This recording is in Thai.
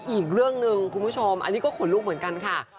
อีกเรื่องหนึ่งคุณผู้ชมอันนี้ก็ขนลุกเหมือนกันค่ะ